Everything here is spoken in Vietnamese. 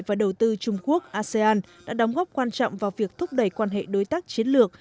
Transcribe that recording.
và đầu tư trung quốc asean đã đóng góp quan trọng vào việc thúc đẩy quan hệ đối tác chiến lược